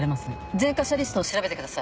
前科者リストを調べてください。